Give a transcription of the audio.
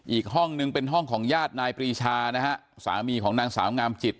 อีกห้องนึงเป็นห้องของญาตินายปรีชานะฮะสามีของนางสาวงามจิต